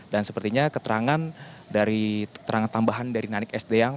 dan sepertinya keterangan dari terangan tambahan dari nanik s deyang